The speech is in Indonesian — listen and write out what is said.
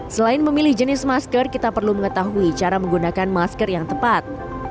selain memilih jenis masker kita perlu mengetahui cara menggunakan masker yang tepat